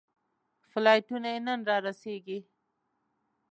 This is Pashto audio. فلایټونه یې نن رارسېږي.